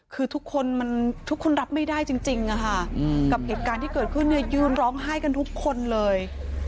คือทุกคนมันทุกคนรับไม่ได้จริงกับเหตุการณ์ที่เกิดขึ้นเนี่ยยืนร้องไห้กันทุกคนเลย